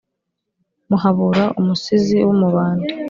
muhabura, umusizi w'umubanda.